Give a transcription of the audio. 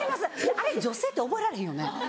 あれ女性って覚えられへんよね。